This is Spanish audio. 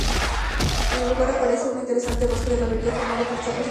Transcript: En el lugar aparece un interesante bosque de galería formado por chopos y sauces.